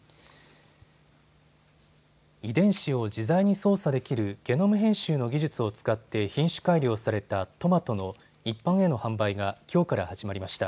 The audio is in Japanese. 遺伝子を自在に操作できるゲノム編集の技術を使って品種改良されたトマトの一般への販売がきょうから始まりました。